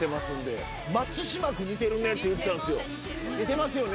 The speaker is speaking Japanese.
松島君似てるねって言ってたんですよ。